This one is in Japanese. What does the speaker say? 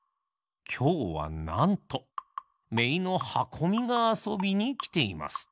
きょうはなんとめいのはこみがあそびにきています。